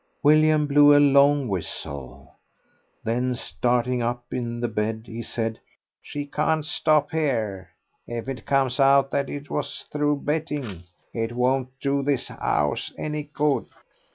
William blew a long whistle. Then, starting up in the bed, he said, "She can't stop here. If it comes out that it was through betting, it won't do this house any good.